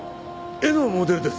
絵のモデルです。